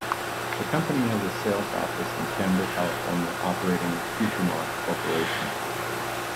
The company has a sales office in Campbell, California operating as Futuremark Corporation.